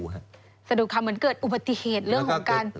สรุปค่ะเหมือนเกิดอุบัติเหตุเรื่องของการ